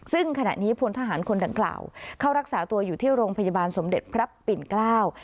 ซึ่งขณะนี้พลทหารคนดังกล่าวเข้ารักษาตัวอยู่ที่โรงพยาบาลสมเด็จพระปิ่นเกล้า